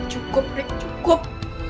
cukup rick cukup